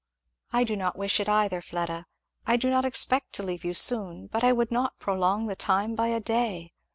I do not wish it either, Fleda. I do not expect to leave you soon, but I would not prolong the time by a day.